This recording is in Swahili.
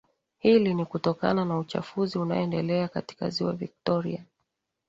Hili ni kutokana na uchafuzi unaondelea katika Ziwa Victoria